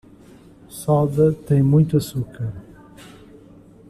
Soda tem muito açúcar.